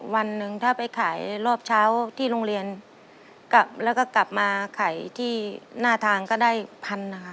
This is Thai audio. วันหนึ่งถ้าไปขายรอบเช้าที่โรงเรียนกลับแล้วก็กลับมาขายที่หน้าทางก็ได้พันนะคะ